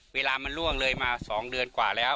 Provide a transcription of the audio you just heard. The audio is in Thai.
เวลามันล่วงเลยมา๒เดือนกว่าแล้ว